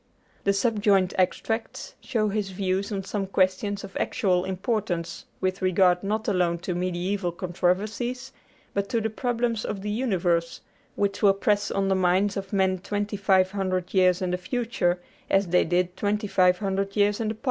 The subjoined extracts show his views on some questions of actual importance, with regard not alone to mediæval controversies, but to the problems of the universe, which will press on the minds of men twenty five hundred years in the future as they did twenty five hundred years in the past.